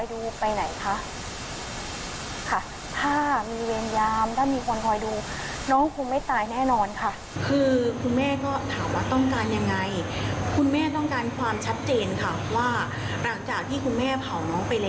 เยียวยาจะเยียวยาแบบไหนค่ะใช่ค่ะ